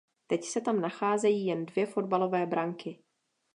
Teď se tam nacházejí jen dvě fotbalové branky.